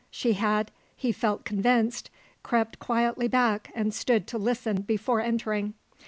She had, he felt convinced, crept quietly back and stood to listen before entering.